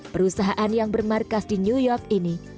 perusahaan yang berusaha menjual kasur ini